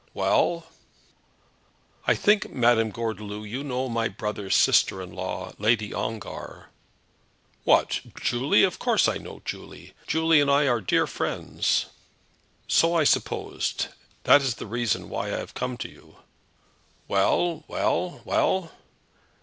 "Well?" "I think, Madame Gordeloup, you know my brother's sister in law, Lady Ongar?" "What, Julie? Of course I know Julie. Julie and I are dear friends." "So I supposed. That is the reason why I have come to you." "Well; well; well?"